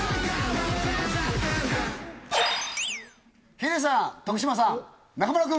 ヒデさん、徳島さん、中丸君。